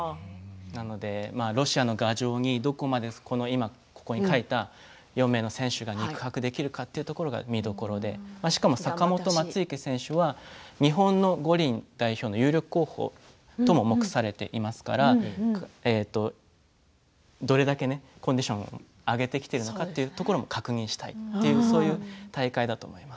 ロシアの牙城にどこまで４名の選手が肉薄できるか見どころでしかも坂本、松生選手は五輪の日本代表の有力候補とも目されていますからどれだけコンディションを上げてきているのかというところも確認したいというそういう大会だと思います。